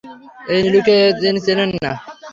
এই নীলুকে তিনি চেনেন না।